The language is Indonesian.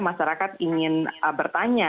masyarakat ingin bertanya